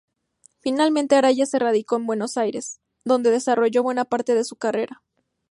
Finalmente Araya se radicó en Buenos Aires, donde desarrolló buena parte de su carrera.